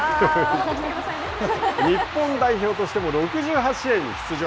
日本代表としても６８試合に出場。